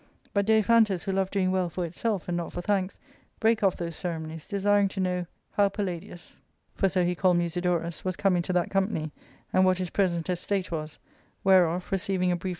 But Dai phantus, who loved doing well for itself and not for thSJS, brake off those ceremonies, desiring to know howPalladius — for so he called Musidorus — was come into that company, and what his present estate was; whereof, receiving a brief